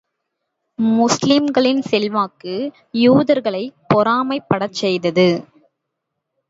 முஸ்லிம்களின் செல்வாக்கு, யூதர்களைப் பொறாமைப் படச் செய்தது.